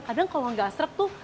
kadang kalau tidak seret